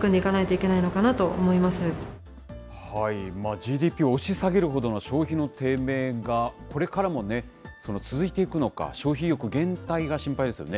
ＧＤＰを押し下げるほどの消費の低迷が、これからも続いていくのか、消費意欲減退が心配ですよね。